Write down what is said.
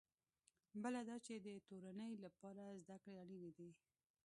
بله دا چې د تورنۍ لپاره زده کړې اړینې دي.